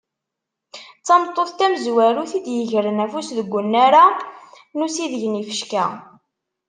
D tameṭṭut tamzwarut i d-yegren afus deg unnar-a n usideg n yifecka.